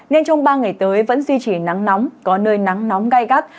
nên trong ba ngày tới vẫn duy trì nắng nóng có nơi nắng nóng gai gắt